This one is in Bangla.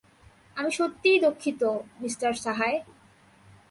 আমি সত্যিই দুঃখিত, মিস্টার সাহায়।